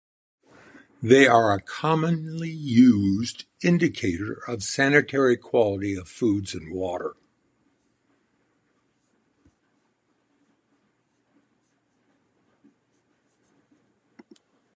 They are a commonly used indicator of sanitary quality of foods and water.